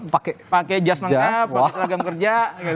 pakai jas mangga pakai seragam kerja